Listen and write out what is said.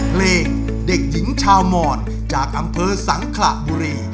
เพลงเด็กหญิงชาวมอนจากอำเภอสังขระบุรี